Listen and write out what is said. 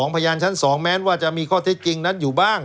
พยานชั้น๒แม้ว่าจะมีข้อเท็จจริงนั้นอยู่บ้าง